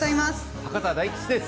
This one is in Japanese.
博多大吉です。